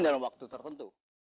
dalam waktu tertentu